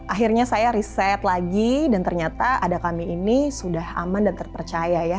akhirnya saya riset lagi dan ternyata ada kami ini sudah aman dan terpercaya ya